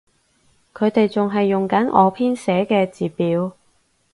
佢哋仲係用緊我編寫嘅字表